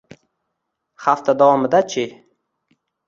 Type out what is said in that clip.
Hafta davomidachi?